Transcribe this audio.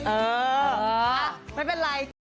เออไม่เป็นไร